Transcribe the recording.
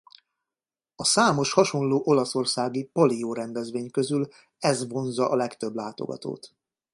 A számos hasonló olaszországi palio-rendezvény közül ez vonzza a legtöbb látogatót.